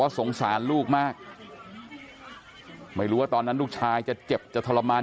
สงสารลูกมากไม่รู้ว่าตอนนั้นลูกชายจะเจ็บจะทรมาน